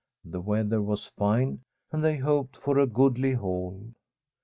The weather was fine, and they hoped for a goodly haul.